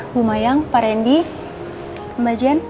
bu mayang pak randy mbak jean